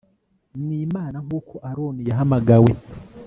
n Imana nk uko Aroni yahamagawe